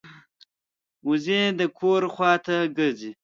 وزې د کور خوا ته ګرځي